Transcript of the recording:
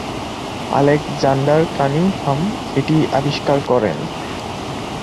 Alexander Cunningham এটি আবিষ্কার করেন।